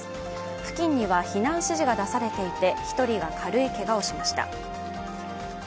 付近には避難指示が出されていて、１人が軽いけがをしました。